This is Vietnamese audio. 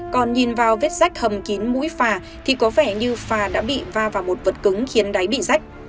còn nhìn vào vết rách hầm kín mũi phà thì có vẻ như phà đã bị va vào một vật cứng khiến đáy bị rách